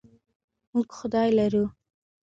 موږ خدای لرو.